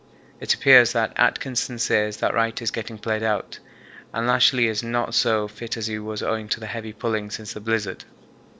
It appears that Atkinson says that Wright is getting played out and Lashly is not so fit as he was owing to the heavy pulling since the blizzard.